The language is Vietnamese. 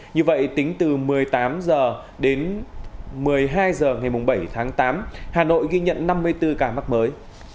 như vậy tính từ một mươi tám h đến một mươi hai h ngày bảy tháng tám hà nội ghi nhận năm mươi bốn ca mắc mới